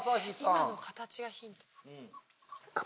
今の形がヒント。